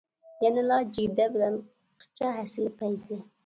يەنىلا جىگدە بىلەن قىچا ھەسىلى پەيزى.